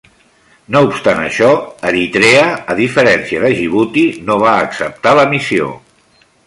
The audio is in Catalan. No obstant això, Eritrea, a diferència de Djibouti, no va acceptar la missió.